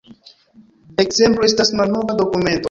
Ekzemplo estas malnova dokumento.